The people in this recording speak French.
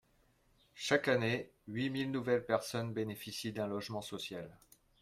Chaque année, huit mille nouvelles personnes bénéficient d’un logement social.